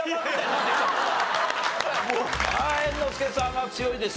猿之助さんは強いですよ。